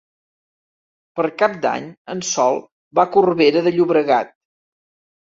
Per Cap d'Any en Sol va a Corbera de Llobregat.